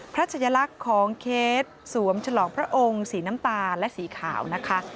ชายลักษณ์ของเคสสวมฉลองพระองค์สีน้ำตาลและสีขาวนะคะ